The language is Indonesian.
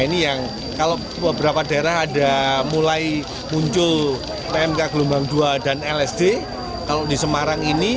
empat ratus dua puluh enam ini yang kalau beberapa daerah ada mulai muncul pmk gelombang dua dan lsd kalau di semarang ini